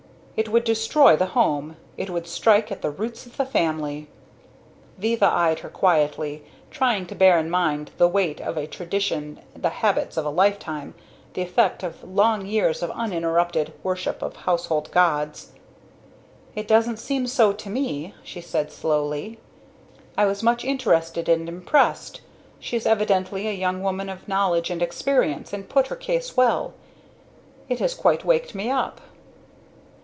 It would destroy the home! It would strike at the roots of the family." Viva eyed her quietly, trying to bear in mind the weight of a tradition, the habits of a lifetime, the effect of long years of uninterrupted worship of household gods. "It doesn't seem so to me," she said slowly, "I was much interested and impressed. She is evidently a young woman of knowledge and experience, and put her case well. It has quite waked me up."